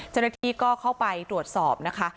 จนกระที่ก็เข้าไปตรวจสอบนะคะ